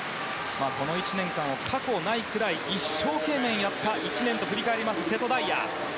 この１年間は過去にないくらい一生懸命やった１年と振り返ります、瀬戸大也。